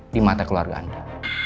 di mata keluarga anda